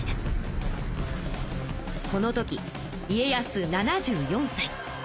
この時家康７４さい。